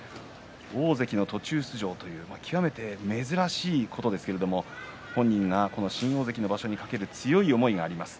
大関の途中出場という極めて珍しいことですけれども本人が、この新大関の場所に懸ける強い思いがあります。